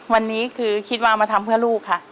วันนี้คือคิดว่ามาทำเพื่อลูกค่ะ